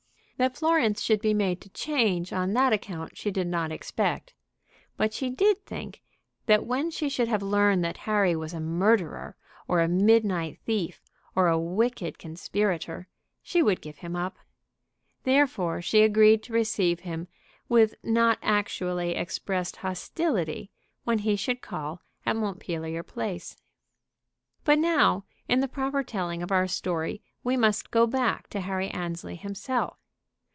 That Florence should be made to change on that account she did not expect. But she did think that when she should have learned that Harry was a murderer, or a midnight thief, or a wicked conspirator, she would give him up. Therefore she agreed to receive him with not actually expressed hostility when he should call at Montpelier Place. But now, in the proper telling of our story, we must go back to Harry Annesley himself.